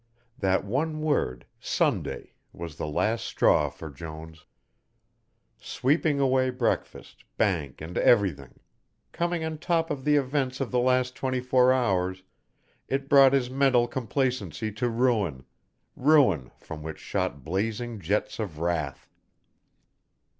That one word "Sunday" was the last straw for Jones, sweeping away breakfast, bank and everything; coming on top of the events of the last twenty four hours, it brought his mental complacency to ruin, ruin from which shot blazing jets of wrath.